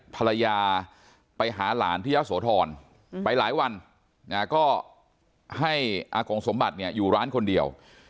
ภรรยาไปหาหลานที่ยะโสธรไปหลายวันก็ให้อากงสมบัติเนี่ยอยู่ร้านคนเดียว